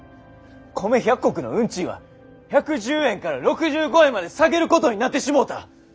米１００石の運賃は１１０円から６５円まで下げることになってしもうた。